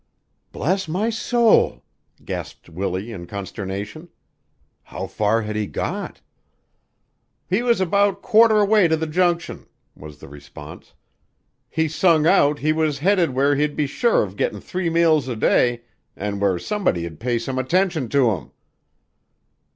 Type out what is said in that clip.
"Bless my soul!" gasped Willie in consternation. "How far had he got?" "He was about quarter way to the Junction," was the response. "He sung out he was headed where he'd be sure of gettin' three meals a day, an' where somebody'd pay some attention to him."